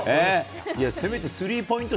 せめてスリーポイント